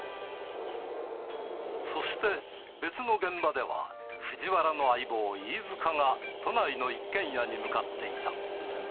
そして別の現場では、藤原の相棒、飯塚が都内の一軒家に向かっていた。